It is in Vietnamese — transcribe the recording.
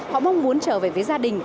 họ mong muốn trở về với gia đình